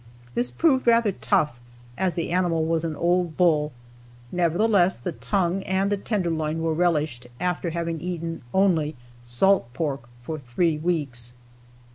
This proved rather tough as the animal was an old bull, nevertheless the tongue and the tenderloin were relished, after having eaten only salt pork for three weeks.